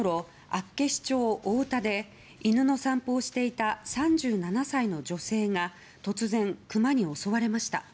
厚岸町太田で犬の散歩をしていた３７歳の女性が突然、クマに襲われました。